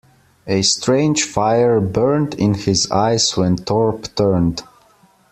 A strange fire burned in his eyes when Thorpe turned.